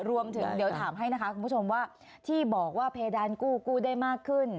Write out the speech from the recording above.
รวมถึงเดี๋ยวถามให้นะคะคุณผู้ชมว่าที่บอกว่าเพดานกู้กู้ได้มากขึ้น